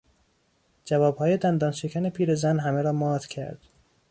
جوابهای دندانشکن پیرزن همه را مات کرد.